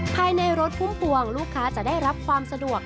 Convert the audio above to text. ภายในรถพุ่มพวงลูกค้าจะได้รับความสะดวก